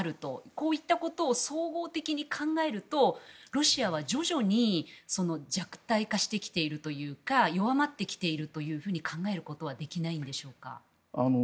こういったことを総合的に考えるとロシアは徐々に弱体化してきているというか弱まってきているというふうに考えることはできないんでしょうか。